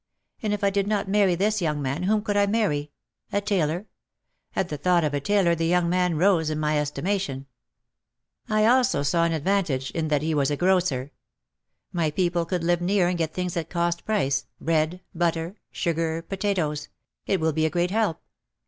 And if I did not marry this young man whom could I marry? A tailor?" At the thought of a tailor the young man rose in my estimation. I also saw an advantage in 206 OUT OF THE SHADOW that he was a grocer. "My people could live near and get things at cost price, bread, butter, sugar, potatoes. It will be a great help."